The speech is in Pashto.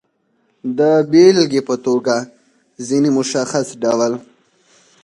د بېلګې په توګه، ځینې مشخص ډول